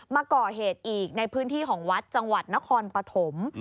มาก่อเหตุอีกในพื้นที่ของวัดจังหวัดนครปฐม